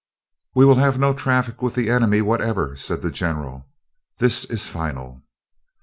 "We will have no traffic with the enemy whatever," said the general. "This is final."